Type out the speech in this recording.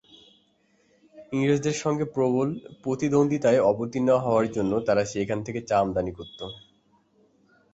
ইংরেজদের সঙ্গে প্রবল প্রতিদ্বন্দ্বিতায় অবতীর্ণ হওয়ার জন্য তারা সেখান থেকে চা আমদানি করত।